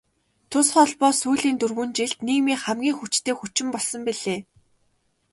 Тус холбоо сүүлийн дөрвөн жилд нийгмийн хамгийн хүчтэй хүчин болсон билээ.